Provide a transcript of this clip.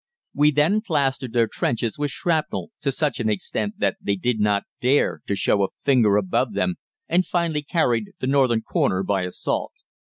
"We then plastered their trenches with shrapnel to such an extent that they did not dare to show a finger above them, and finally carried the northern corner by assault.